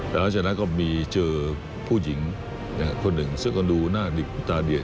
หลังจากนั้นก็มีเจอผู้หญิงคนหนึ่งซึ่งก็ดูหน้าดิบตาดี